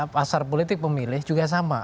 pasar politik pemilih juga sama